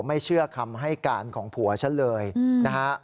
ไม่เชื่อคำให้การของผัวฉันเลยนะฮะ